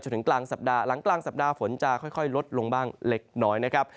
ถึงกลางสัปดาห์หลังกลางสัปดาห์ฝนจะค่อยลดลงบ้างเล็กน้อยนะครับ